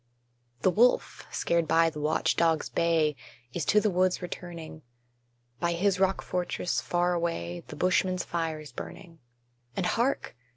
The wolf, scared by the watch dog's bay, Is to the woods returning: By his rock fortress, far away, The Bushman's fire is burning. And hark!